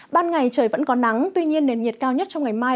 ban ngày trời vẫn có nắng tuy nhiên nền nhiệt cao nhất trong ngày mai